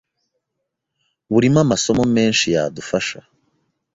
burimo amasomo menshi yadufasha